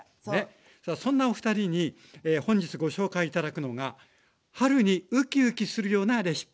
さあそんなおふたりに本日ご紹介頂くのが春にウキウキするようなレシピ。